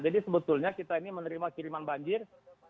jadi sebetulnya kita ini menerima kiriman banjir